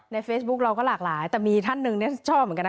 เฟซบุ๊กเราก็หลากหลายแต่มีท่านหนึ่งชอบเหมือนกันนะ